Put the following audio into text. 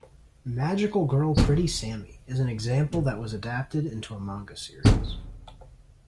"Magical Girl Pretty Sammy" is an example that was adapted into a manga series.